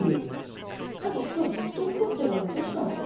何か今日ずっと怒ってるねどうしたの？